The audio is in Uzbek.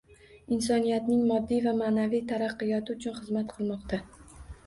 Insoniyatning moddiy va maʼnaviy taraqqiyoti uchun xizmat qilmoqda